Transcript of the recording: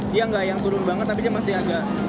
dia nggak yang turun banget tapi dia masih agak